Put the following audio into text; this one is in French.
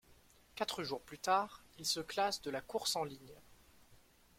Quatre jours plus tard, il se classe de la course en ligne.